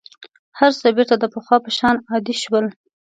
هر څه بېرته د پخوا په شان عادي شول.